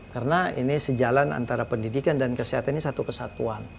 karena ini sejalan antara pendidikan dan kesehatan ini satu kesatuan